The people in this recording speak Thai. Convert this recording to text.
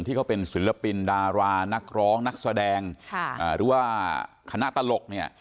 ที่เขาเป็นศิลปินดารานักร้องนักแสดงหรือว่าคณะตลกเนี่ย